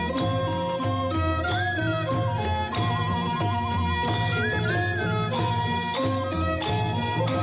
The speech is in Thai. จริง